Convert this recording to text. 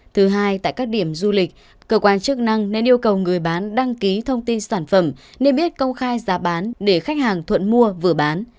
thứ hai tại các điểm du lịch cơ quan chức năng nên yêu cầu người bán đăng ký thông tin sản phẩm niêm yết công khai giá bán để khách hàng thuận mua vừa bán